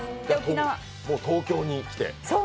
もう東京に来て。